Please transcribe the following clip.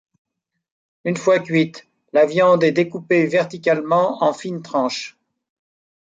Une fois cuite, la viande est découpée verticalement en fines tranches.